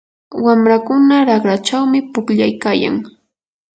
wamrakuna raqrachawmi pukllaykayan.